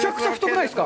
いいですか？